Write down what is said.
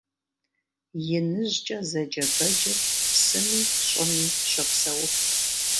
«ИныжькIэ» зэджэ бэджыр псыми щIыми щопсэуф.